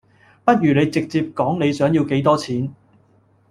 不如你直接講你想要幾多錢